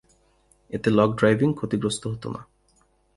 এতে লগ ড্রাইভিং ক্ষতিগ্রস্ত হত না।